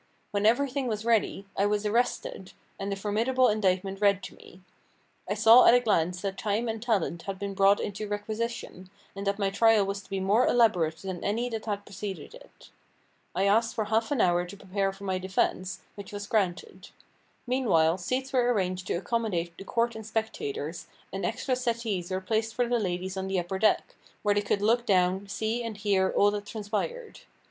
When everything was ready, I was arrested, and the formidable indictment read to me. I saw at a glance that time and talent had been brought into requisition, and that my trial was to be more elaborate than any that had preceded it. I asked for half an hour to prepare for my defence, which was granted. Meanwhile, seats were arranged to accommodate the court and spectators, and extra settees were placed for the ladies on the upper deck, where they could look down, see and hear all that transpired.